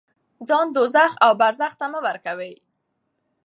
ځان دوزخ او برزخ ته مه ورکوئ.